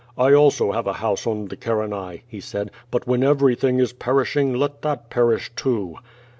"I also have a house on the Carinae," he said, "but when everything is perishing, let that perish, too."